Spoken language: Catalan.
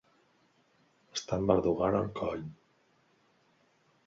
Estar amb el dogal al coll.